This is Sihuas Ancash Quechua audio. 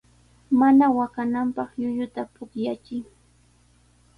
Mana waqananpaq llulluta pukllachiy.